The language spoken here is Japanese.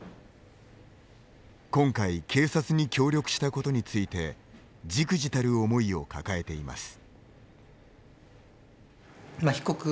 今回、警察に協力したことについてじくじたる思いを抱えています。